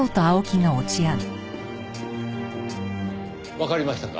わかりましたか？